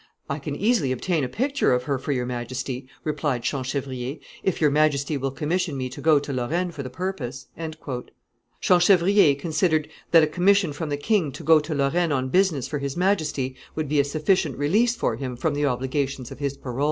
"I can easily obtain a picture of her for your majesty," replied Champchevrier, "if your majesty will commission me to go to Lorraine for the purpose." Champchevrier considered that a commission from the king to go to Lorraine on business for his majesty would be a sufficient release for him from the obligations of his parole.